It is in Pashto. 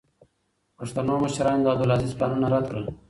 پښتنو مشرانو د عبدالعزیز پلانونه رد کړل.